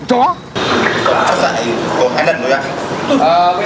trộm chó dạy bốn năm lần rồi ạ